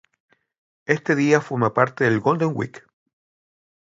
Este día forma parte del Golden Week.